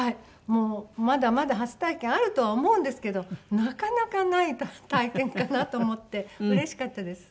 もうまだまだ初体験あるとは思うんですけどなかなかない体験かなと思ってうれしかったです。